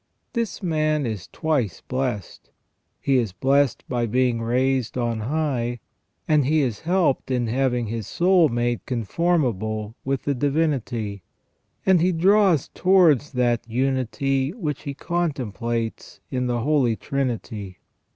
This man is twice blessed : he is blessed by being raised on high, and he is helped in having his soul made conformable with the Divinity ; and he draws towards that unity which he contemplates in the Holy Trinity.